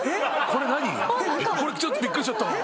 これちょっとびっくりしちゃった。